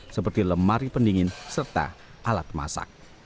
seperti lemari pendingin serta alat masak